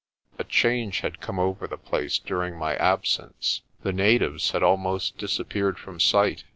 A change had come over the place during my absence. The natives had almost disappeared from sight.